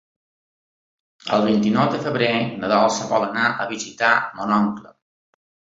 El vint-i-nou de febrer na Dolça vol anar a visitar mon oncle.